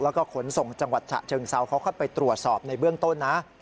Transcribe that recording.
แล้วก็ขนส่งจังหวัดฉะเชิงเซาเขาเข้าไปตรวจสอบในเบื้องต้นนะ